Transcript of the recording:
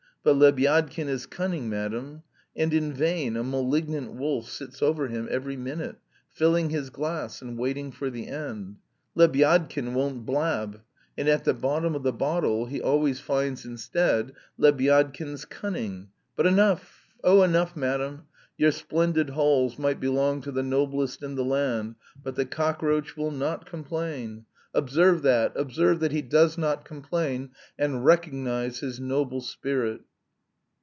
But Lebyadkin is cunning, madam! And in vain a malignant wolf sits over him every minute, filling his glass and waiting for the end. Lebyadkin won't blab. And at the bottom of the bottle he always finds instead Lebyadkin's cunning. But enough, oh, enough, madam! Your splendid halls might belong to the noblest in the land, but the cockroach will not complain. Observe that, observe that he does not complain, and recognise his noble spirit!"